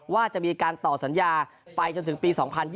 ว่าจะมีการต่อสัญญาไปจนถึงปี๒๐๒๐